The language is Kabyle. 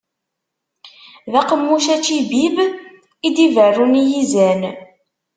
D aqemmuc ičibib, i d-iberrun i yizan.